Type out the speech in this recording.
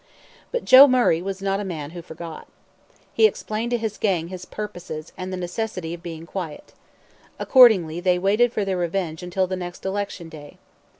But Joe Murray was not a man who forgot. He explained to his gang his purposes and the necessity of being quiet. Accordingly they waited for their revenge until the next election day.